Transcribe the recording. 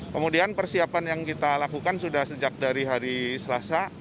kemudian persiapan yang kita lakukan sudah sejak dari hari selasa